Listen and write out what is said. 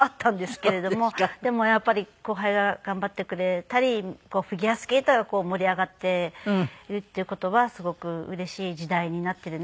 でもやっぱり後輩が頑張ってくれたりフィギュアスケートが盛り上がっているっていう事はすごくうれしい時代になっているなと思っています。